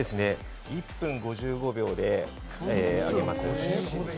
１分５５秒で揚げます。